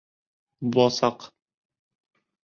Буласаҡ!